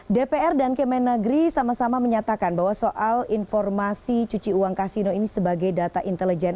dpr dan kemen negeri sama sama menyatakan bahwa soal informasi cuci uang kasino ini sebagai data intelijen